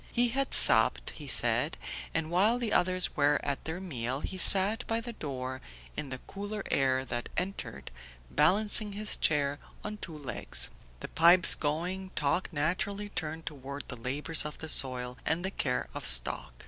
He had supped, he said, and while the others were at their meal he sat by the door in the cooler air that entered, balancing his chair on two legs. The pipes going, talk naturally turned toward the labours of the soil, and the care of stock.